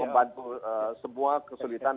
membantu semua kesulitan